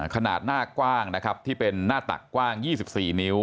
ขนาดหน้ากว้างนะครับที่เป็นหน้าตักกว้าง๒๔นิ้ว